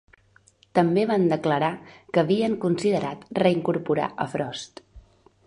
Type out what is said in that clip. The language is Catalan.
També van declarar que havien considerat reincorporar a Frost.